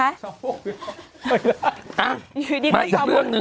อะไรนะคะอยู่ดีกว่าอีกเรื่องหนึ่ง